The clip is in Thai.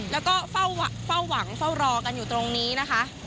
แล้วก็เฝ้าหวังเฝ้ารอกันอยู่ตรงนี้นะคะ